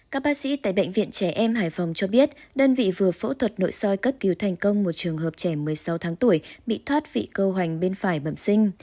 các bác sĩ tại bệnh viện trẻ em hải phòng cho biết đơn vị vừa phẫu thuật nội soi cấp cứu thành công một trường hợp trẻ một mươi sáu tháng tuổi bị thoát vị câu hoành bên phải bẩm sinh